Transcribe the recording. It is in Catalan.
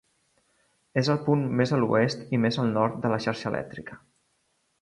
És el punt més a l'oest i més al nord de la xarxa elèctrica.